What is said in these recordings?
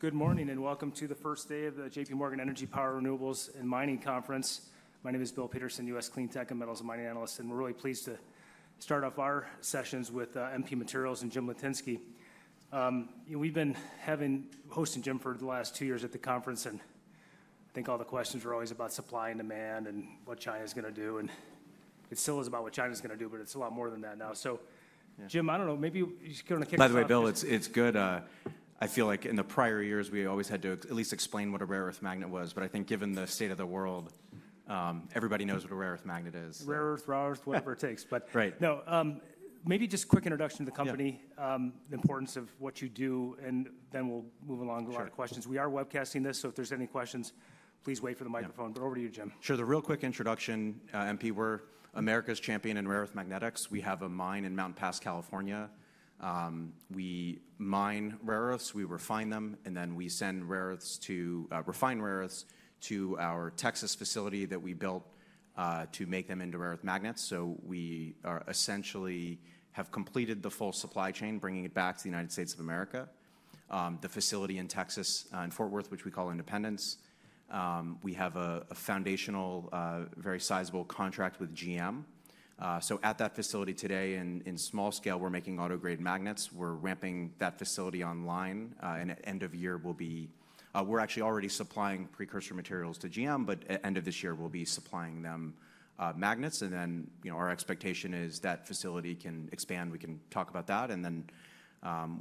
Good morning and welcome to the first day of the J.P. Morgan Energy, Power, Renewables, and Mining Conference. My name is Bill Peterson, U.S. Clean Tech and Metals and Mining Analyst, and we're really pleased to start off our sessions with MP Materials and Jim Litinsky. We've been hosting Jim for the last two years at the conference, and I think all the questions were always about supply and demand and what China is going to do. It still is about what China is going to do, but it's a lot more than that now. Jim, I don't know, maybe you just kind of kick us off. By the way, Bill, it's good. I feel like in the prior years we always had to at least explain what a rare earth magnet was, but I think given the state of the world, everybody knows what a rare earth magnet is. Rare earth, raw earth, whatever it takes. Right. Maybe just a quick introduction to the company, the importance of what you do, and then we'll move along to our questions. We are webcasting this, so if there's any questions, please wait for the microphone, but over to you, Jim. Sure, the real quick introduction, MP, we're America's champion in rare earth magnetics. We have a mine in Mountain Pass, California. We mine rare earths, we refine them, and then we send rare earths, refined rare earths to our Texas facility that we built to make them into rare earth magnets. We essentially have completed the full supply chain, bringing it back to the United States of America. The facility in Texas in Fort Worth, which we call Independence, we have a foundational, very sizable contract with GM. At that facility today, in small scale, we're making autograde magnets. We're ramping that facility online, and at end of year we'll be—we're actually already supplying precursor materials to GM, but at end of this year we'll be supplying them magnets. Our expectation is that facility can expand. We can talk about that, and then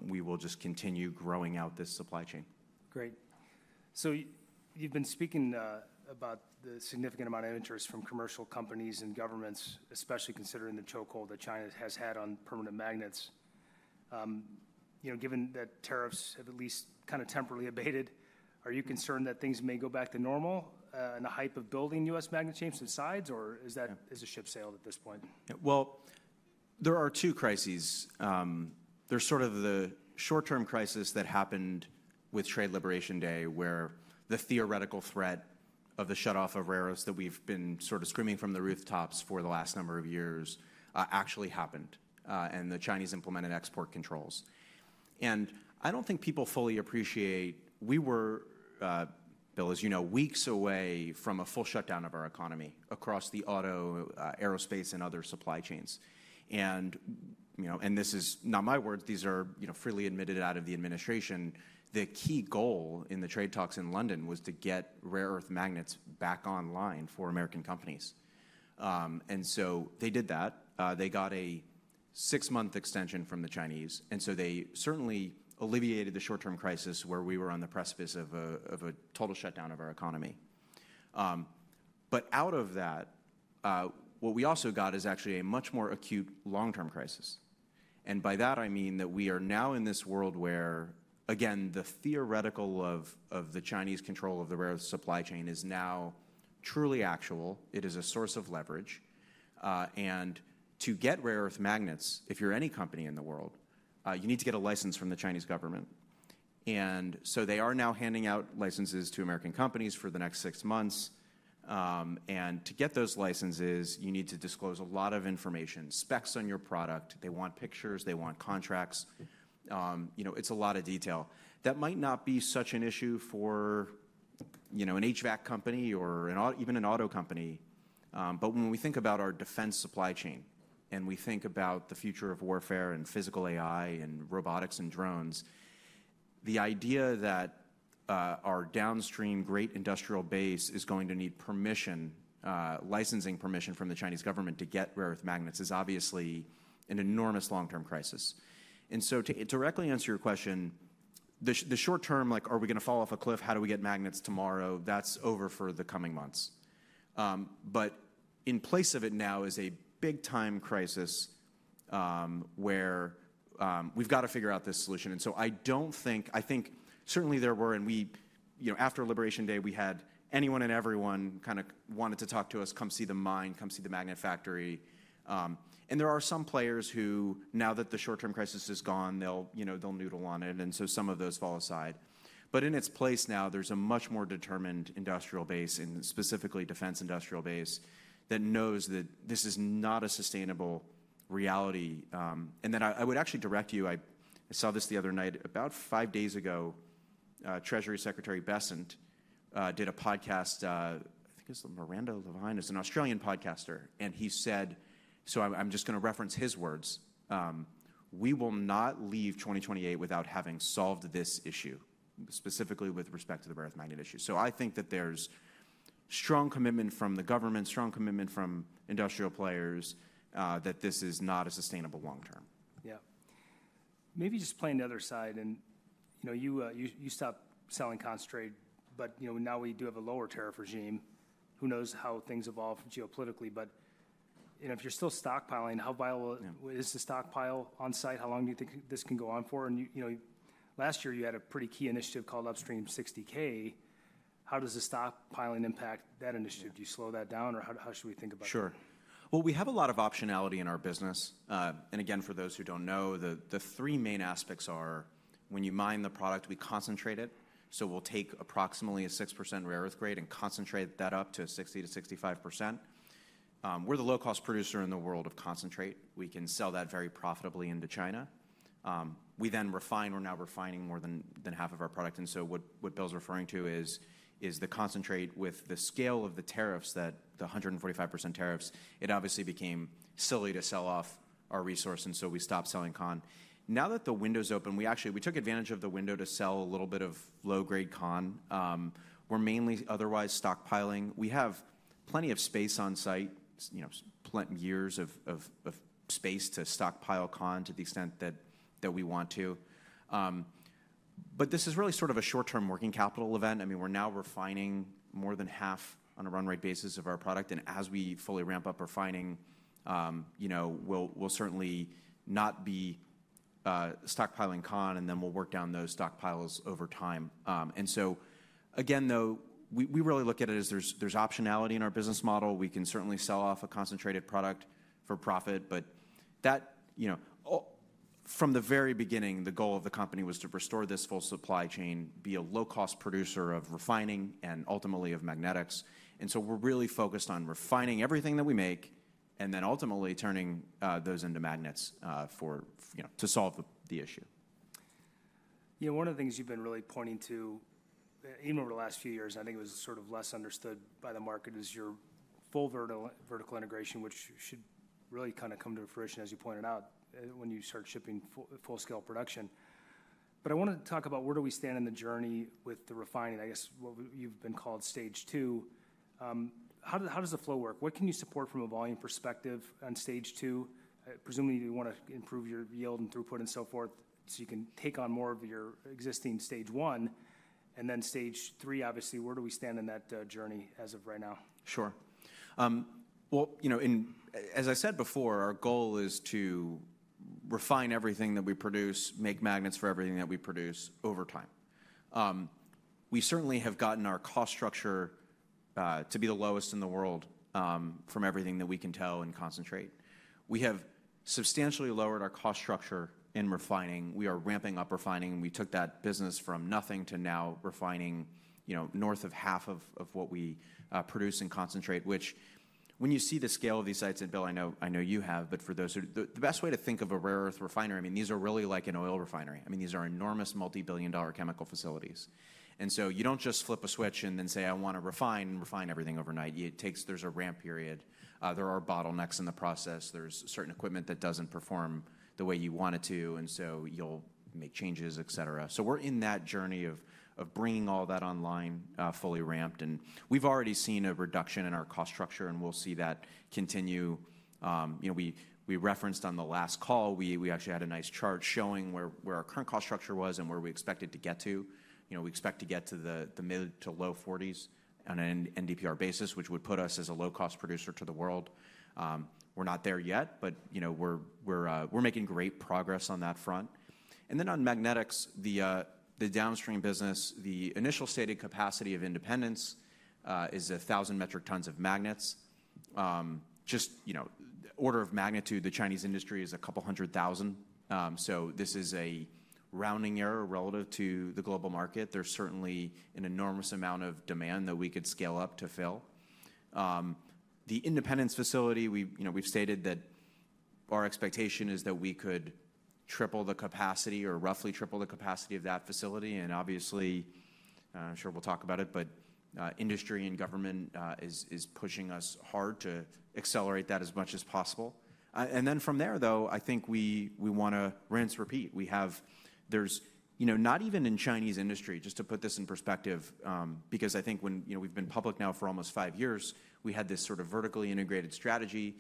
we will just continue growing out this supply chain. Great. You have been speaking about the significant amount of interest from commercial companies and governments, especially considering the chokehold that China has had on permanent magnets. Given that tariffs have at least kind of temporarily abated, are you concerned that things may go back to normal and the hype of building U.S. magnet chain subsides, or is that a ship's sail at this point? There are two crises. There is sort of the short-term crisis that happened with Trade Liberation Day, where the theoretical threat of the shut-off of rare earths that we have been sort of screaming from the rooftops for the last number of years actually happened, and the Chinese implemented export controls. I do not think people fully appreciate—we were, Bill, as you know, weeks away from a full shutdown of our economy across the auto, aerospace, and other supply chains. This is not my words, these are freely admitted out of the administration. The key goal in the trade talks in London was to get rare earth magnets back online for American companies. They did that. They got a six-month extension from the Chinese, and they certainly alleviated the short-term crisis where we were on the precipice of a total shutdown of our economy. Out of that, what we also got is actually a much more acute long-term crisis. By that, I mean that we are now in this world where, again, the theoretical of the Chinese control of the rare earth supply chain is now truly actual. It is a source of leverage. To get rare earth magnets, if you are any company in the world, you need to get a license from the Chinese government. They are now handing out licenses to American companies for the next six months. To get those licenses, you need to disclose a lot of information, specs on your product. They want pictures, they want contracts. It is a lot of detail. That might not be such an issue for an HVAC company or even an auto company. When we think about our defense supply chain and we think about the future of warfare and physical AI and robotics and drones, the idea that our downstream great industrial base is going to need permission, licensing permission from the Chinese government to get rare earth magnets is obviously an enormous long-term crisis. To directly answer your question, the short term, like, are we going to fall off a cliff? How do we get magnets tomorrow? That is over for the coming months. In place of it now is a big-time crisis where we have got to figure out this solution. I do not think—I think certainly there were, and after Liberation Day, we had anyone and everyone kind of wanted to talk to us, come see the mine, come see the magnet factory. There are some players who, now that the short-term crisis is gone, they'll noodle on it, and some of those fall aside. In its place now, there's a much more determined industrial base, and specifically defense industrial base, that knows that this is not a sustainable reality. I would actually direct you, I saw this the other night, about five days ago, Treasury Secretary Bessent did a podcast, I think it's the Miranda Levine, it's an Australian podcaster, and he said, so I'm just going to reference his words, "We will not leave 2028 without having solved this issue," specifically with respect to the rare earth magnet issue. I think that there's strong commitment from the government, strong commitment from industrial players that this is not a sustainable long-term. Yeah. Maybe just playing the other side, you stopped selling concentrate, but now we do have a lower tariff regime. Who knows how things evolve geopolitically, but if you're still stockpiling, how viable is the stockpile on site? How long do you think this can go on for? Last year you had a pretty key initiative called Upstream 60,000. How does the stockpiling impact that initiative? Do you slow that down, or how should we think about it? Sure. We have a lot of optionality in our business. Again, for those who do not know, the three main aspects are when you mine the product, we concentrate it. We will take approximately a 6% rare earth grade and concentrate that up to 60%-65%. We are the low-cost producer in the world of concentrate. We can sell that very profitably into China. We then refine. We are now refining more than half of our product. What Bill is referring to is the concentrate with the scale of the tariffs, the 145% tariffs, it obviously became silly to sell off our resource, and we stopped selling con. Now that the window is open, we actually took advantage of the window to sell a little bit of low-grade con. We are mainly otherwise stockpiling. We have plenty of space on site, plenty of years of space to stockpile con to the extent that we want to. This is really sort of a short-term working capital event. I mean, we're now refining more than half on a run rate basis of our product, and as we fully ramp up refining, we'll certainly not be stockpiling con, and then we'll work down those stockpiles over time. Again, though, we really look at it as there's optionality in our business model. We can certainly sell off a concentrated product for profit, but from the very beginning, the goal of the company was to restore this full supply chain, be a low-cost producer of refining and ultimately of magnetics. We're really focused on refining everything that we make and then ultimately turning those into magnets to solve the issue. One of the things you've been really pointing to, even over the last few years, and I think it was sort of less understood by the market, is your full vertical integration, which should really kind of come to fruition, as you pointed out, when you start shipping full-scale production. I want to talk about where do we stand in the journey with the refining, I guess what you've been called stage two. How does the flow work? What can you support from a volume perspective on stage two? Presumably, you want to improve your yield and throughput and so forth so you can take on more of your existing stage one. Stage three, obviously, where do we stand in that journey as of right now? Sure. As I said before, our goal is to refine everything that we produce, make magnets for everything that we produce over time. We certainly have gotten our cost structure to be the lowest in the world from everything that we can tell in concentrate. We have substantially lowered our cost structure in refining. We are ramping up refining. We took that business from nothing to now refining north of half of what we produce in concentrate, which when you see the scale of these sites, and Bill, I know you have, but for those who have not, the best way to think of a rare earth refinery, I mean, these are really like an oil refinery. I mean, these are enormous multi-billion dollar chemical facilities. You do not just flip a switch and then say, "I want to refine and refine everything overnight." There is a ramp period. There are bottlenecks in the process. There's certain equipment that doesn't perform the way you want it to, and so you'll make changes, et cetera. We're in that journey of bringing all that online fully ramped, and we've already seen a reduction in our cost structure, and we'll see that continue. We referenced on the last call, we actually had a nice chart showing where our current cost structure was and where we expected to get to. We expect to get to the mid to low 40s on an NdPr basis, which would put us as a low-cost producer to the world. We're not there yet, but we're making great progress on that front. On magnetics, the downstream business, the initial stated capacity of Independence is 1,000 metric tons of magnets. Just order of magnitude, the Chinese industry is a couple 100,000. This is a rounding error relative to the global market. There is certainly an enormous amount of demand that we could scale up to fill. The Independence facility, we have stated that our expectation is that we could triple the capacity or roughly triple the capacity of that facility. Obviously, I am sure we will talk about it, but industry and government are pushing us hard to accelerate that as much as possible. From there, though, I think we want to rinse, repeat. There is not even in Chinese industry, just to put this in perspective, because I think when we have been public now for almost five years, we had this sort of vertically integrated strategy.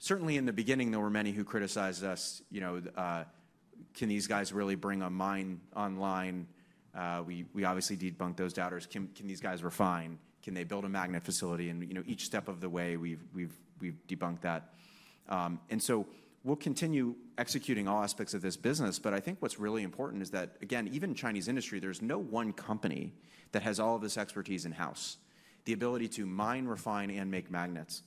Certainly in the beginning, there were many who criticized us, "Can these guys really bring a mine online?" We obviously debunked those doubters. "Can these guys refine? Can they build a magnet facility?" Each step of the way, we have debunked that. We will continue executing all aspects of this business. I think what is really important is that, again, even in Chinese industry, there is no one company that has all of this expertise in-house. The ability to mine, refine, and make magnets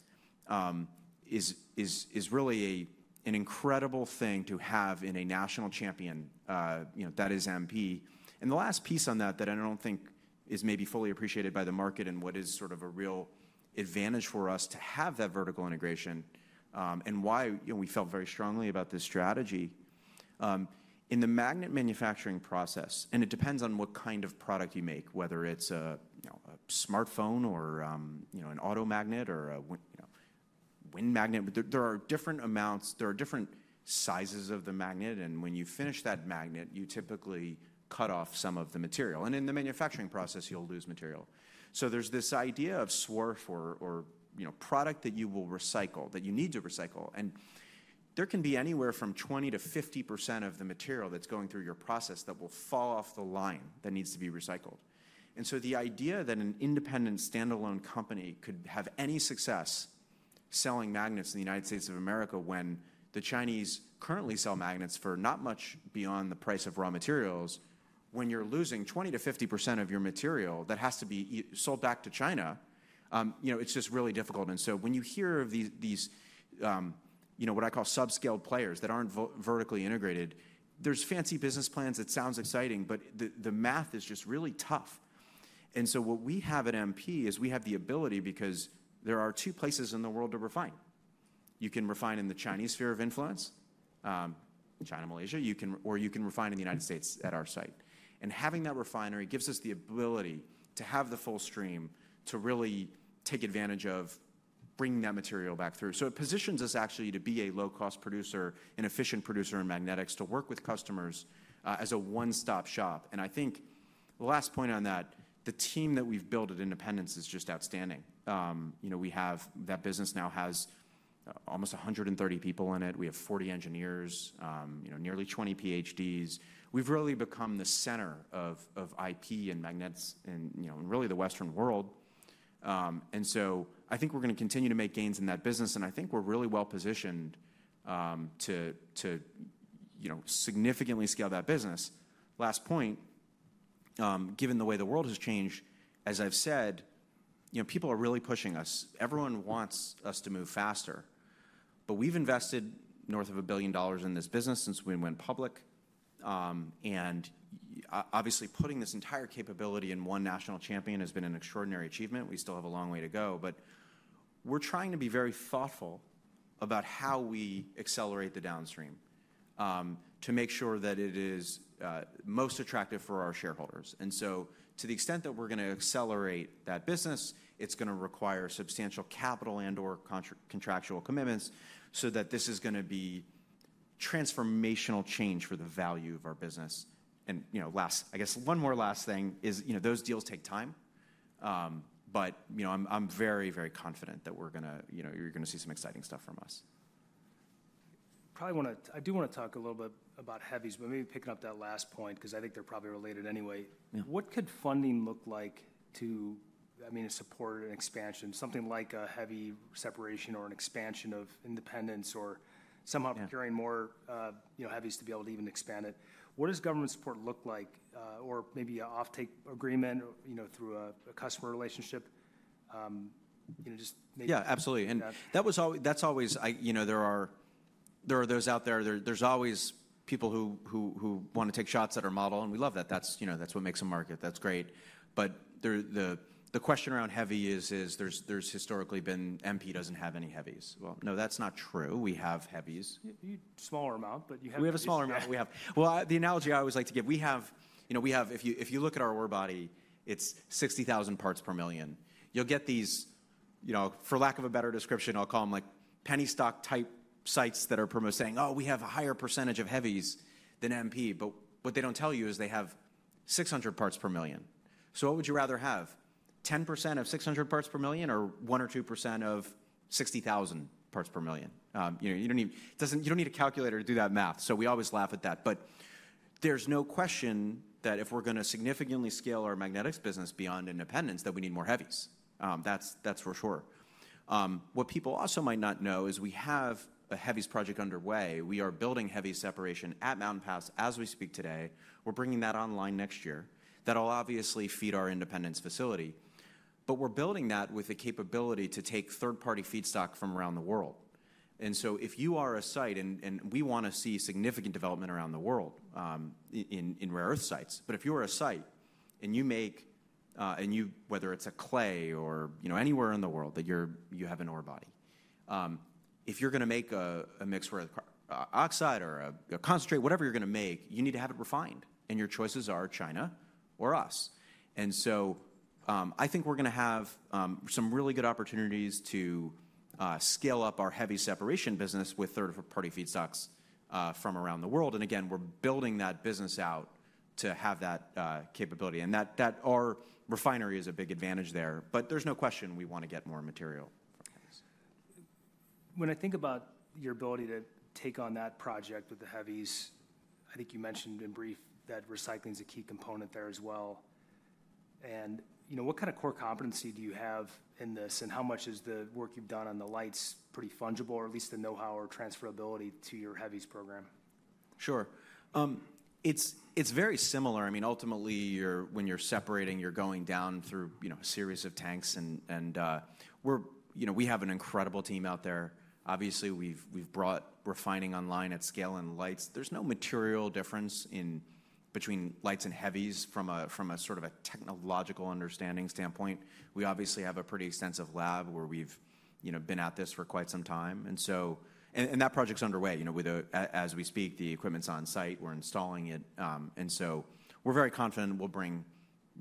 is really an incredible thing to have in a national champion that is MP. The last piece on that that I do not think is maybe fully appreciated by the market and what is sort of a real advantage for us to have that vertical integration and why we felt very strongly about this strategy in the magnet manufacturing process, and it depends on what kind of product you make, whether it is a smartphone or an auto magnet or a wind magnet. There are different amounts, there are different sizes of the magnet, and when you finish that magnet, you typically cut off some of the material. In the manufacturing process, you'll lose material. There is this idea of swarf or product that you will recycle, that you need to recycle. There can be anywhere from 20%-50% of the material that's going through your process that will fall off the line that needs to be recycled. The idea that an independent standalone company could have any success selling magnets in the United States of America when the Chinese currently sell magnets for not much beyond the price of raw materials, when you're losing 20%-50% of your material that has to be sold back to China, it's just really difficult. When you hear of these what I call subscaled players that are not vertically integrated, there are fancy business plans. It sounds exciting, but the math is just really tough. What we have at MP is we have the ability because there are two places in the world to refine. You can refine in the Chinese sphere of influence, China, Malaysia, or you can refine in the United States at our site. Having that refinery gives us the ability to have the full stream to really take advantage of bringing that material back through. It positions us actually to be a low-cost producer, an efficient producer in magnetics to work with customers as a one-stop shop. I think the last point on that, the team that we have built at Independence is just outstanding. We have that business now has almost 130 people in it. We have 40 engineers, nearly 20 PhDs. We've really become the center of IP and magnets in really the Western world. I think we're going to continue to make gains in that business, and I think we're really well positioned to significantly scale that business. Last point, given the way the world has changed, as I've said, people are really pushing us. Everyone wants us to move faster. We've invested north of $1 billion in this business since we went public. Obviously, putting this entire capability in one national champion has been an extraordinary achievement. We still have a long way to go, but we're trying to be very thoughtful about how we accelerate the downstream to make sure that it is most attractive for our shareholders. To the extent that we're going to accelerate that business, it's going to require substantial capital and/or contractual commitments so that this is going to be transformational change for the value of our business. Last, I guess one more last thing is those deals take time, but I'm very, very confident that you're going to see some exciting stuff from us. I do want to talk a little bit about heavies, but maybe picking up that last point because I think they're probably related anyway. What could funding look like to, I mean, support an expansion, something like a heavy separation or an expansion of Independence or somehow procuring more heavies to be able to even expand it? What does government support look like or maybe an offtake agreement through a customer relationship? Yeah, absolutely. That is always there are those out there. There are always people who want to take shots at our model, and we love that. That is what makes a market. That is great. The question around heavy is there has historically been MP does not have any heavies. No, that is not true. We have heavies. Smaller amount, but you have. We have a smaller amount. The analogy I always like to give, if you look at our ore body, it's 60,000 parts per million. You'll get these, for lack of a better description, I'll call them like penny stock type sites that are promoting, saying, "Oh, we have a higher percentage of heavies than MP." What they don't tell you is they have 600 parts per million. What would you rather have? 10% of 600 parts per million or 1% or 2% of 60,000 parts per million? You don't need a calculator to do that math. We always laugh at that. There's no question that if we're going to significantly scale our magnetics business beyond Independence, we need more heavies. That's for sure. What people also might not know is we have a heavies project underway. We are building heavy separation at Mountain Pass as we speak today. We're bringing that online next year. That'll obviously feed our Independence facility. We're building that with the capability to take third-party feedstock from around the world. If you are a site, and we want to see significant development around the world in rare earth sites, if you are a site and you make, whether it's a clay or anywhere in the world that you have an ore body, if you're going to make a mixed rare earth oxide or a concentrate, whatever you're going to make, you need to have it refined. Your choices are China or us. I think we're going to have some really good opportunities to scale up our heavy separation business with third-party feedstocks from around the world. We're building that business out to have that capability. Our refinery is a big advantage there, but there's no question we want to get more material. When I think about your ability to take on that project with the heavies, I think you mentioned in brief that recycling is a key component there as well. What kind of core competency do you have in this and how much is the work you've done on the lights pretty fungible or at least the know-how or transferability to your heavies program? Sure. It's very similar. I mean, ultimately, when you're separating, you're going down through a series of tanks. We have an incredible team out there. Obviously, we've brought refining online at scale and lights. There's no material difference between lights and heavies from a sort of a technological understanding standpoint. We obviously have a pretty extensive lab where we've been at this for quite some time. That project's underway. As we speak, the equipment's on site. We're installing it. We are very confident we'll bring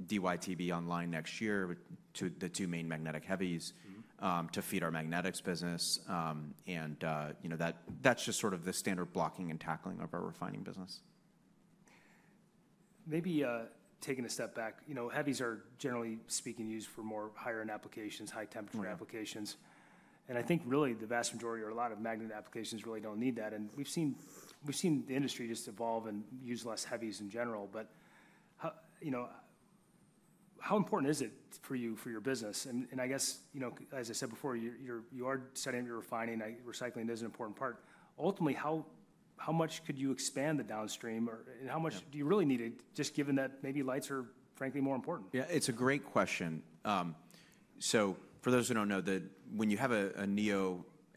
Dy/Tb online next year, the two main magnetic heavies, to feed our magnetics business. That's just sort of the standard blocking and tackling of our refining business. Maybe taking a step back, heavies are generally speaking used for more higher-end applications, high-temperature applications. I think really the vast majority or a lot of magnet applications really do not need that. We have seen the industry just evolve and use less heavies in general. How important is it for you, for your business? I guess, as I said before, you are setting up your refining. Recycling is an important part. Ultimately, how much could you expand the downstream or how much do you really need it just given that maybe lights are frankly more important? Yeah, it's a great question. For those who do not know, when you have a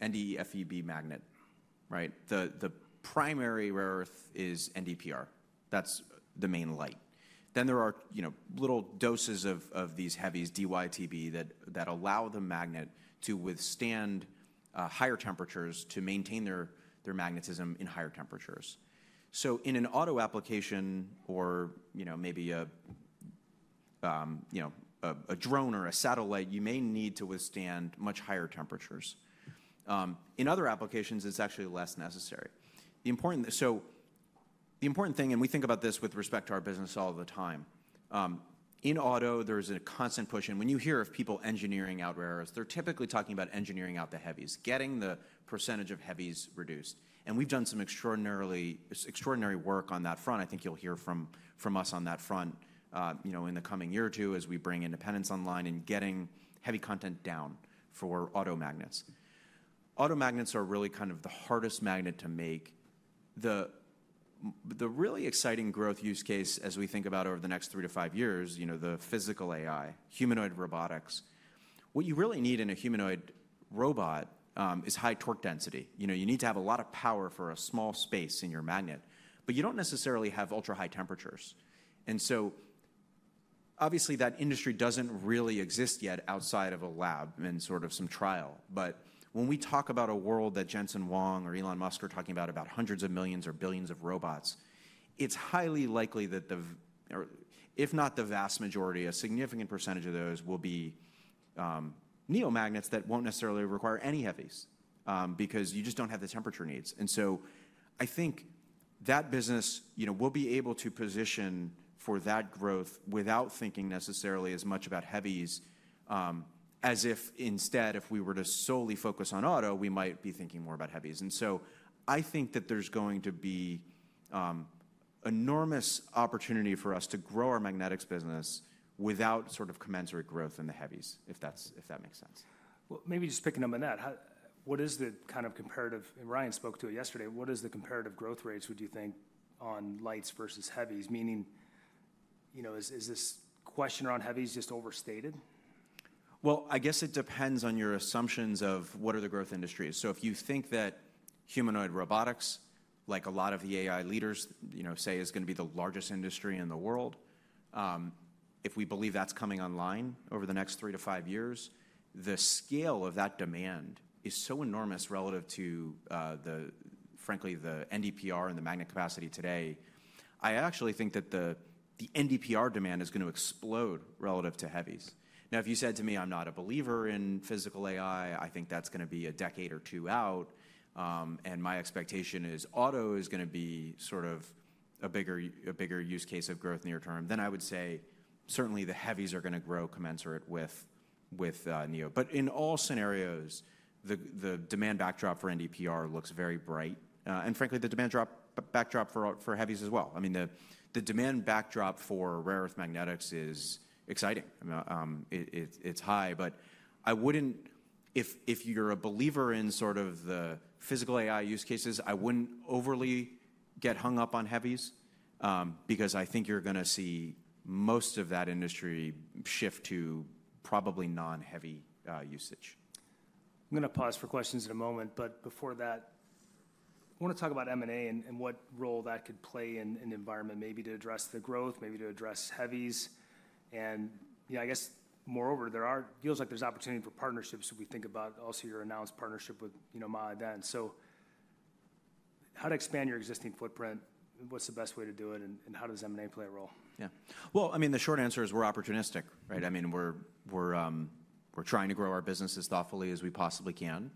NdFeB magnet, the primary rare earth is NdPr. That's the main light. Then there are little doses of these heavies, Dy/Tb, that allow the magnet to withstand higher temperatures to maintain their magnetism in higher temperatures. In an auto application or maybe a drone or a satellite, you may need to withstand much higher temperatures. In other applications, it's actually less necessary. The important thing, and we think about this with respect to our business all the time, in auto, there's a constant push. When you hear of people engineering out rare earths, they're typically talking about engineering out the heavies, getting the percentage of heavies reduced. We've done some extraordinary work on that front. I think you'll hear from us on that front in the coming year or two as we bring Independence online and getting heavy content down for auto magnets. Auto magnets are really kind of the hardest magnet to make. The really exciting growth use case as we think about over the next three to five years, the physical AI, humanoid robotics, what you really need in a humanoid robot is high torque density. You need to have a lot of power for a small space in your magnet, but you don't necessarily have ultra-high temperatures. Obviously, that industry doesn't really exist yet outside of a lab and sort of some trial. When we talk about a world that Jensen Huang or Elon Musk are talking about, about hundreds of millions or billions of robots, it's highly likely that, if not the vast majority, a significant percentage of those will be neomagnets that won't necessarily require any heavies because you just don't have the temperature needs. I think that business will be able to position for that growth without thinking necessarily as much about heavies as if instead, if we were to solely focus on auto, we might be thinking more about heavies. I think that there's going to be enormous opportunity for us to grow our magnetics business without sort of commensurate growth in the heavies, if that makes sense. Maybe just picking up on that, what is the kind of comparative? And Ryan spoke to it yesterday. What is the comparative growth rates would you think on lights versus heavies? Meaning, is this question around heavies just overstated? I guess it depends on your assumptions of what are the growth industries. If you think that humanoid robotics, like a lot of the AI leaders say, is going to be the largest industry in the world, if we believe that's coming online over the next three to five years, the scale of that demand is so enormous relative to, frankly, the NdPr and the magnet capacity today, I actually think that the NdPr demand is going to explode relative to heavies. Now, if you said to me, "I'm not a believer in physical AI, I think that's going to be a decade or two out, and my expectation is auto is going to be sort of a bigger use case of growth near term," then I would say certainly the heavies are going to grow commensurate with neo. In all scenarios, the demand backdrop for NdPr looks very bright. I mean, the demand backdrop for heavies as well. I mean, the demand backdrop for rare earth magnetics is exciting. It's high. If you're a believer in sort of the physical AI use cases, I wouldn't overly get hung up on heavies because I think you're going to see most of that industry shift to probably non-heavy usage. I'm going to pause for questions in a moment, but before that, I want to talk about M&A and what role that could play in an environment maybe to address the growth, maybe to address heavies. I guess moreover, it feels like there's opportunity for partnerships if we think about also your announced partnership with Maaden. How to expand your existing footprint, what's the best way to do it, and how does M&A play a role? Yeah. I mean, the short answer is we're opportunistic. I mean, we're trying to grow our business as thoughtfully as we possibly can.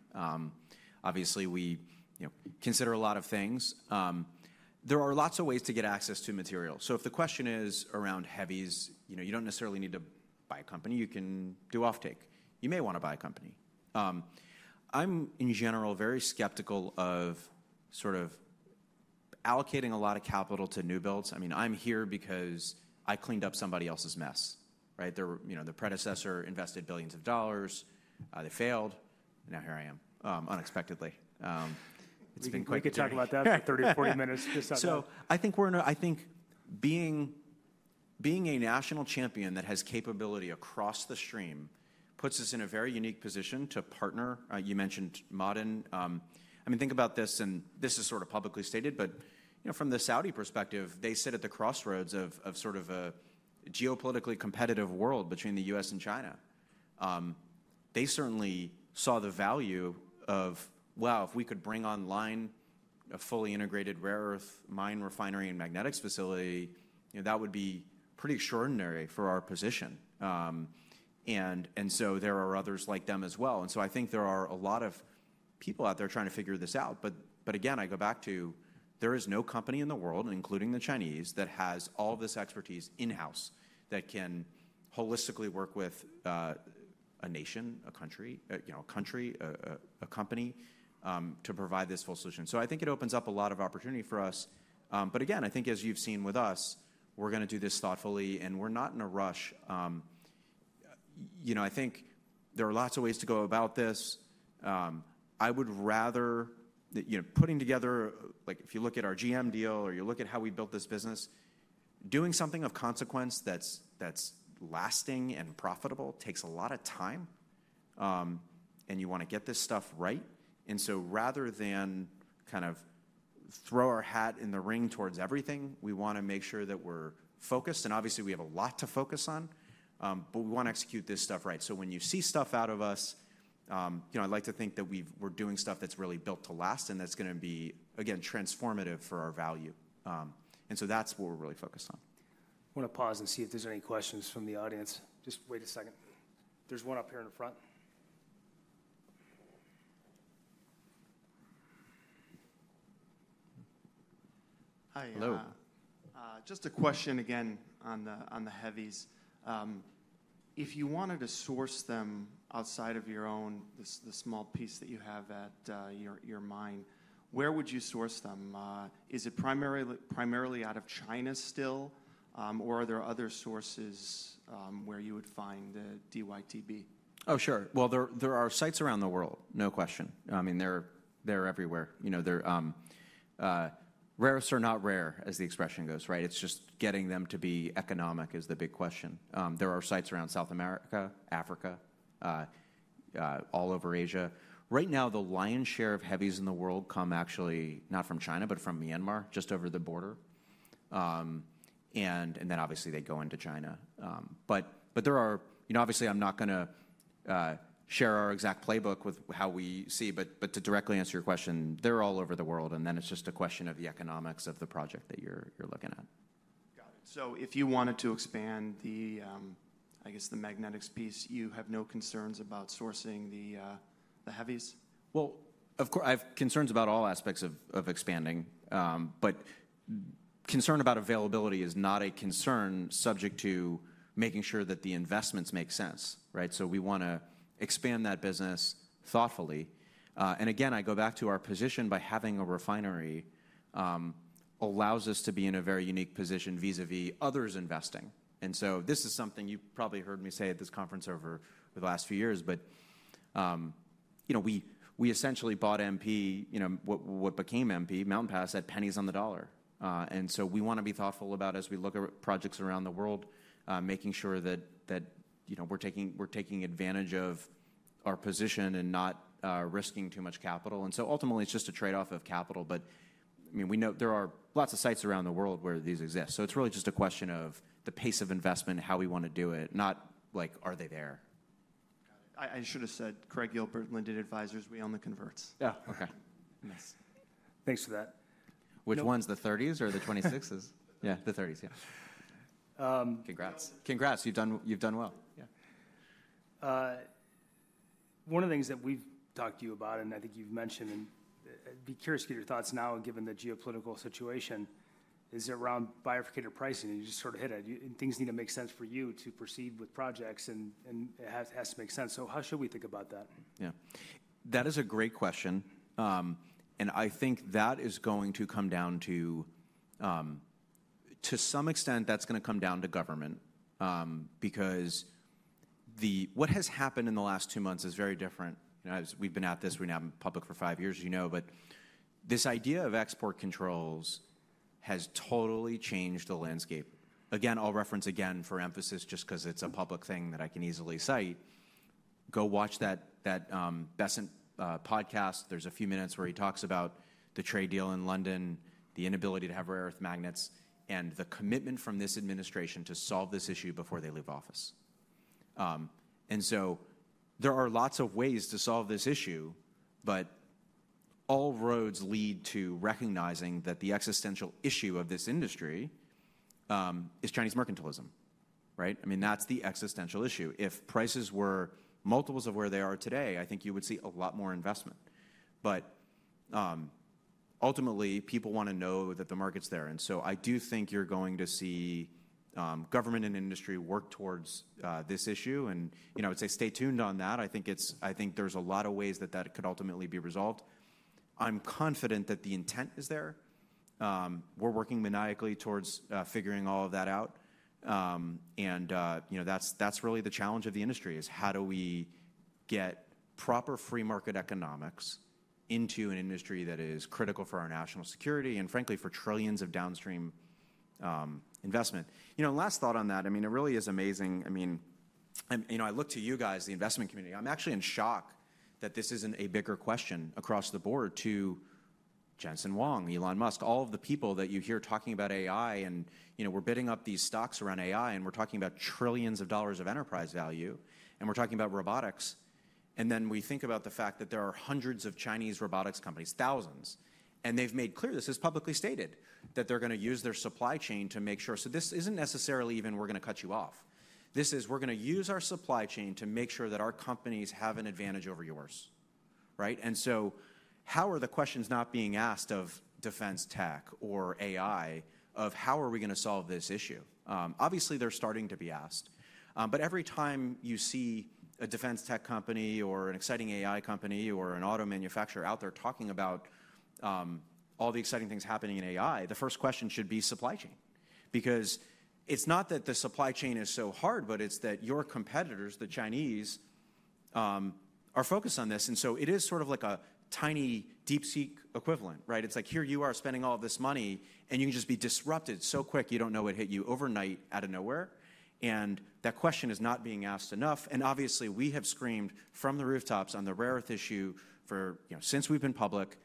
Obviously, we consider a lot of things. There are lots of ways to get access to material. If the question is around heavies, you don't necessarily need to buy a company. You can do offtake. You may want to buy a company. I'm, in general, very skeptical of sort of allocating a lot of capital to new builds. I mean, I'm here because I cleaned up somebody else's mess. Their predecessor invested billions of dollars. They failed. Now here I am, unexpectedly. We could talk about that for 30 minutes or 40 minutes this other way. I think being a national champion that has capability across the stream puts us in a very unique position to partner. You mentioned Maaden. I mean, think about this, and this is sort of publicly stated, but from the Saudi perspective, they sit at the crossroads of sort of a geopolitically competitive world between the U.S. and China. They certainly saw the value of, wow, if we could bring online a fully integrated rare earth mine refinery and magnetics facility, that would be pretty extraordinary for our position. There are others like them as well. I think there are a lot of people out there trying to figure this out. Again, I go back to there is no company in the world, including the Chinese, that has all this expertise in-house that can holistically work with a nation, a country, a company, to provide this full solution. I think it opens up a lot of opportunity for us. Again, I think as you've seen with us, we're going to do this thoughtfully, and we're not in a rush. I think there are lots of ways to go about this. I would rather, if you look at our GM deal or you look at how we built this business, doing something of consequence that's lasting and profitable takes a lot of time, and you want to get this stuff right. Rather than kind of throw our hat in the ring towards everything, we want to make sure that we're focused. We have a lot to focus on, but we want to execute this stuff right. When you see stuff out of us, I'd like to think that we're doing stuff that's really built to last and that's going to be, again, transformative for our value. That's what we're really focused on. I want to pause and see if there's any questions from the audience. Just wait a second. There's one up here in the front. Hi. Hello. Just a question again on the heavies. If you wanted to source them outside of your own, the small piece that you have at your mine, where would you source them? Is it primarily out of China still, or are there other sources where you would find Dy/Tb? Oh, sure. There are sites around the world, no question. I mean, they're everywhere. Rare earths are not rare, as the expression goes. It's just getting them to be economic is the big question. There are sites around South America, Africa, all over Asia. Right now, the lion's share of heavies in the world come actually not from China, but from Myanmar, just over the border. Obviously, they go into China. Obviously, I'm not going to share our exact playbook with how we see, but to directly answer your question, they're all over the world. It's just a question of the economics of the project that you're looking at. Got it. If you wanted to expand, I guess, the magnetics piece, you have no concerns about sourcing the heavies? Of course, I have concerns about all aspects of expanding, but concern about availability is not a concern subject to making sure that the investments make sense. We want to expand that business thoughtfully. Again, I go back to our position by having a refinery allows us to be in a very unique position vis-à-vis others investing. This is something you've probably heard me say at this conference over the last few years, but we essentially bought MP, what became MP, Mountain Pass, at pennies on the dollar. We want to be thoughtful about, as we look at projects around the world, making sure that we're taking advantage of our position and not risking too much capital. Ultimately, it's just a trade-off of capital. I mean, there are lots of sites around the world where these exist. It's really just a question of the pace of investment, how we want to do it, not like, are they there? Got it. I should have said Craig Gilbert, Linden Advisors, we own the converts. Yeah. Okay. Thanks for that. Which one's the 30s or the 26s? Yeah, the 30s, yeah. Congrats. Congrats. You've done well. Yeah. One of the things that we've talked to you about, and I think you've mentioned, and I'd be curious to get your thoughts now given the geopolitical situation, is around bifurcated pricing. You just sort of hit it. Things need to make sense for you to proceed with projects, and it has to make sense. How should we think about that? Yeah. That is a great question. I think that is going to come down to, to some extent, that's going to come down to government because what has happened in the last two months is very different. We've been at this. We've been out in public for five years, as you know. This idea of export controls has totally changed the landscape. Again, I'll reference again for emphasis just because it's a public thing that I can easily cite. Go watch that Bessent podcast. There's a few minutes where he talks about the trade deal in London, the inability to have rare earth magnets, and the commitment from this administration to solve this issue before they leave office. There are lots of ways to solve this issue, but all roads lead to recognizing that the existential issue of this industry is Chinese mercantilism. I mean, that's the existential issue. If prices were multiples of where they are today, I think you would see a lot more investment. Ultimately, people want to know that the market's there. I do think you're going to see government and industry work towards this issue. I would say stay tuned on that. I think there's a lot of ways that that could ultimately be resolved. I'm confident that the intent is there. We're working maniacally towards figuring all of that out. That's really the challenge of the industry: how do we get proper free market economics into an industry that is critical for our national security and, frankly, for trillions of downstream investment. Last thought on that, I mean, it really is amazing. I mean, I look to you guys, the investment community. I'm actually in shock that this isn't a bigger question across the board to Jensen Huang, Elon Musk, all of the people that you hear talking about AI. We're bidding up these stocks around AI, and we're talking about trillions of dollars of enterprise value, and we're talking about robotics. We think about the fact that there are hundreds of Chinese robotics companies, thousands, and they've made clear this is publicly stated that they're going to use their supply chain to make sure. This isn't necessarily even we're going to cut you off. This is we're going to use our supply chain to make sure that our companies have an advantage over yours. How are the questions not being asked of defense tech or AI of how are we going to solve this issue? Obviously, they're starting to be asked. Every time you see a defense tech company or an exciting AI company or an auto manufacturer out there talking about all the exciting things happening in AI, the first question should be supply chain. Because it's not that the supply chain is so hard, but it's that your competitors, the Chinese, are focused on this. It is sort of like a tiny deep seek equivalent. It's like here you are spending all of this money, and you can just be disrupted so quick you do not know it hit you overnight out of nowhere. That question is not being asked enough. Obviously, we have screamed from the rooftops on the rare earth issue since we've been public.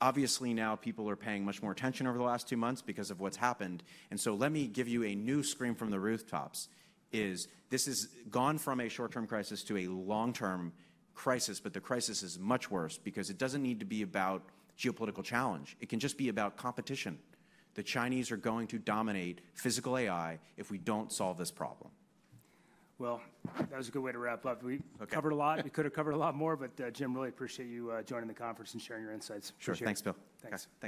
Obviously, now people are paying much more attention over the last two months because of what's happened. Let me give you a new scream from the rooftops. This has gone from a short-term crisis to a long-term crisis, but the crisis is much worse because it does not need to be about geopolitical challenge. It can just be about competition. The Chinese are going to dominate physical AI if we do not solve this problem. That was a good way to wrap up. We covered a lot. We could have covered a lot more, but Jim, really appreciate you joining the conference and sharing your insights. Sure. Thanks, Bill. Thanks.